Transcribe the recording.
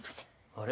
あれ？